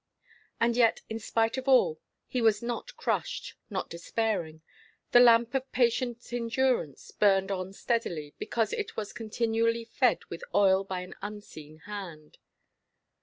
And yet, in spite of all, he was not crushed, not despairing. The lamp of patient endurance burned on steadily, because it was continually fed with oil by an unseen Hand.